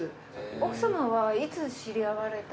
奥さまはいつ知り合われた。